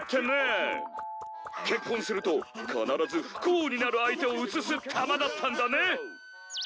結婚すると必ず不幸になる相手を映す玉だったんだね！